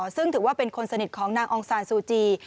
ซึ่งถือว่าเป็นคนสนิทของนางองซานซูจี